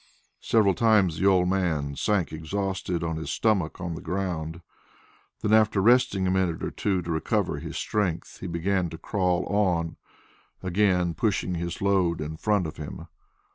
Several times the old man sank exhausted on his stomach on the ground; then after resting a minute or two to recover strength, he began to crawl on again, pushing his load in front of him.